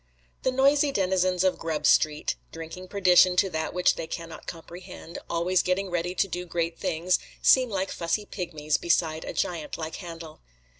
The noisy denizens of Grub Street, drinking perdition to that which they can not comprehend, always getting ready to do great things, seem like fussy pigmies beside a giant like Handel.